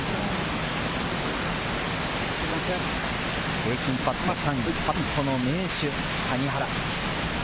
平均パット数、パットの名手・谷原。